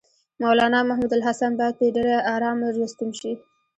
مولنا محمودالحسن باید په ډېره آرامه راستون شي.